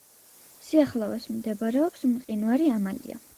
სიახლოვეს მდებარეობს მყინვარი ამალია.